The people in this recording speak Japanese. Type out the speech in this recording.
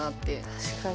確かに。